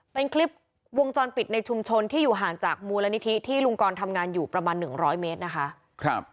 เป็นคลิปวงจรปิดในชุมชนที่อยู่ห่างจากมูลนิธิที่ลุงกรทำงานอยู่ประมาณ๑๐๐เมตรนะคะ